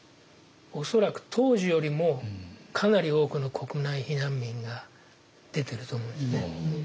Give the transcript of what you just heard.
恐らく当時よりもかなり多くの国内避難民が出てると思うんですね。